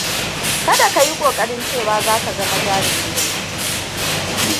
Kada ka yi ƙoƙarin cewa za ka zama jarumi yanzu.